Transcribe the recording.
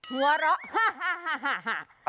หัวเราะฮ่า